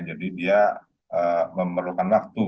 jadi dia memerlukan waktu